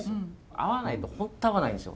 合わないと本当合わないんですよ。